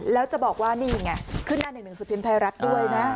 แล้วจะบอกว่าเนี่ยไงขึ้นหน้า๑๑สุฆินทรัศน์ด้วยนะ